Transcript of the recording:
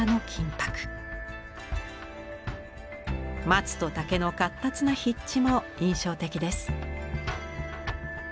松と竹の闊達な筆致も印象的です。